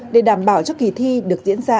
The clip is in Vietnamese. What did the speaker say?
để đảm bảo cho kỳ thi được diễn ra